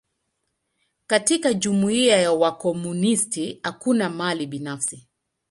Katika jumuia ya wakomunisti, hakuna mali binafsi.